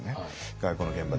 外交の現場で。